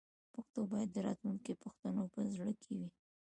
پښتو باید د راتلونکي پښتنو په زړه کې وي.